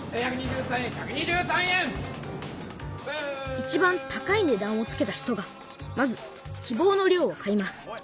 いちばん高いねだんをつけた人がまず希望の量を買います。